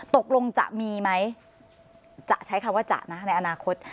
ตกลงจะมีไหมจะใช้คำว่าจะนะในอนาคต